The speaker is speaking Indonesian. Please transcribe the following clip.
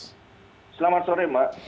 selamat sore mbak